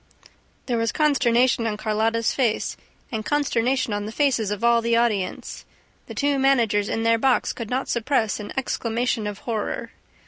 There was consternation on Carlotta's face and consternation on the faces of all the audience. The two managers in their box could not suppress an exclamation of horror.